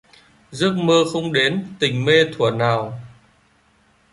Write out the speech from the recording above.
Giấc mơ không đến tình mê thuở nào